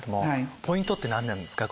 ポイントって何ですか？